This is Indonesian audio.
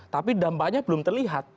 tapi dampaknya belum terlihat